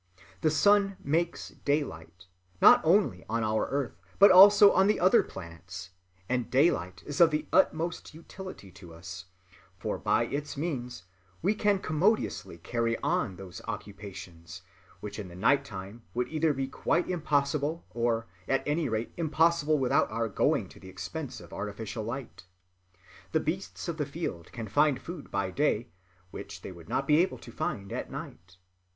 The sun makes daylight, not only on our earth, but also on the other planets; and daylight is of the utmost utility to us; for by its means we can commodiously carry on those occupations which in the night‐time would either be quite impossible, or at any rate impossible without our going to the expense of artificial light. The beasts of the field can find food by day which they would not be able to find at night.